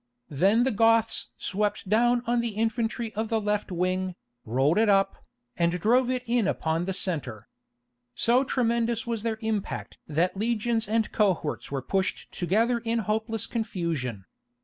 Then the Goths swept down on the infantry of the left wing, rolled it up, and drove it in upon the centre. So tremendous was their impact that legions and cohorts were pushed together in hopeless confusion.